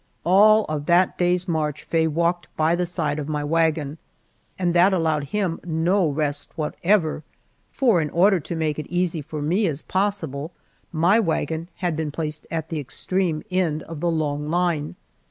All of that day's march Faye walked by the side of my wagon, and that allowed him no rest whatever, for in order to make it as easy for me as possible, my wagon had been placed at the extreme end of the long line.